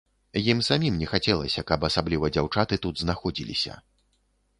Ім самім не хацелася, каб асабліва дзяўчаты тут знаходзіліся.